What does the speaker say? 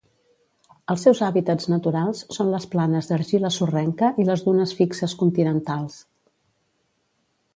Els seus hàbitats naturals són les planes d'argila sorrenca i les dunes fixes continentals.